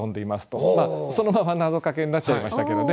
まあそのままなぞかけになっちゃいましたけどね。